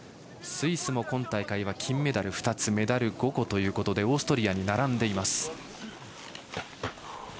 スイスも今大会は金メダル２つメダル５個ということでオーストリアに並んでいます。